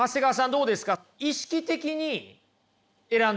どうですか？